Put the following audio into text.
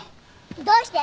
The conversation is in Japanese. どうして？